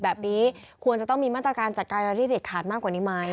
แบบนี้ควรจะต้องมีมาตรการจัดการรายที่เด็ดขาดมากกว่านี้ไหม